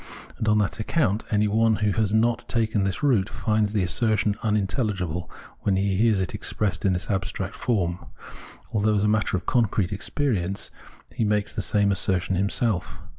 And just on that account any one who has not taken this route finds the assertion uninteUigible, when he hears it expressed in this abstract form — although as a matter of concrete experience he makes the same assertion himself.